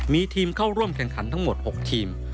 มีทีมเข้าร่วมแข่งขันทั้งหมด๖ทีม